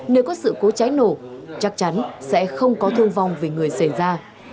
nếu có sự cố cháy nổ chắc chắn sẽ không có thương vong về người xảy ra